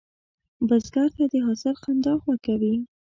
بزګر ته د حاصل خندا خوږه وي